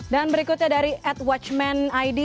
dan berikutnya dari at watchman id